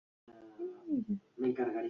Es hermano de Uwe Hain, que jugaba de portero.